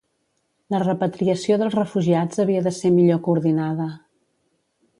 La repatriació dels refugiats havia de ser millor coordinada.